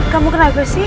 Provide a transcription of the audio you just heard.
kamu kenapa sih